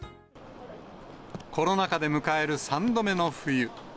コロナ禍で迎える３度目の冬。